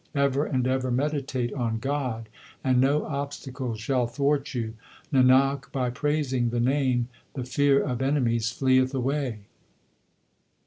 Ever and ever meditate on God, and no obstacle shall thwart you. Nanak, by praising the Name the fear of enemies fleeth away.